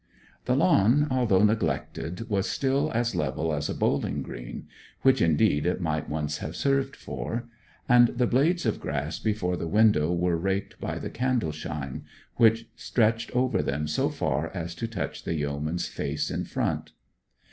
The lawn, although neglected, was still as level as a bowling green which indeed it might once have served for; and the blades of grass before the window were raked by the candle shine, which stretched over them so far as to touch the yeoman's face in front.